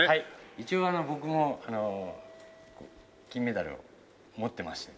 一応僕もあの金メダルを持ってまして。